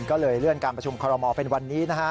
ก็เลยเลื่อนการประชุมคอลโมเป็นวันนี้